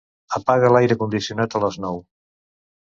Apaga l'aire condicionat a les nou.